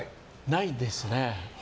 ないですね。